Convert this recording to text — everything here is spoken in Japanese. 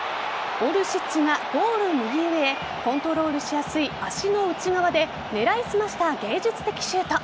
オルシッチがゴール上へコントロールしやすい足の内側で狙い澄ました芸術的シュート。